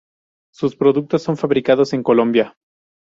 Sus productos son fabricados en Colombia.